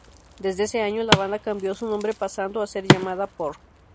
Desde ese año, la banda cambió su nombre pasando a ser llamada Por.